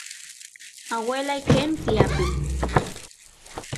aguelay qenti apin